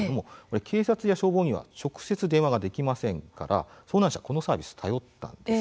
警察や消防に直接電話ができなかったので遭難者はこのサービスを頼ります。